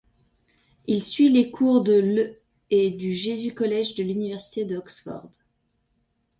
Il suit les cours de l’ et du Jesus College de l’université d'Oxford.